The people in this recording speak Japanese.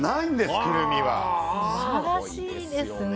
すばらしいですね。